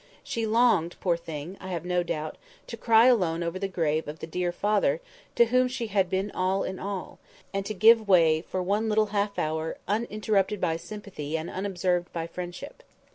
She longed, poor thing, I have no doubt, to cry alone over the grave of the dear father to whom she had been all in all, and to give way, for one little half hour, uninterrupted by sympathy and unobserved by friendship.